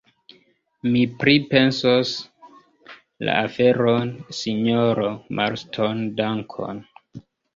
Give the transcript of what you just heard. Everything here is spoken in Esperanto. Mi pripensos la aferon, sinjoro Marston; dankon.